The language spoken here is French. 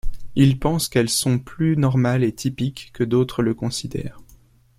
Ils pensent qu'elles sont plus normales et typiques que d'autres le considère.